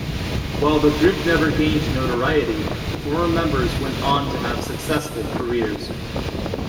While the group never gained notoriety, former members went on to have successful careers.